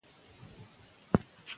که کورنۍ دنده وي نو لوست نه هېریږي.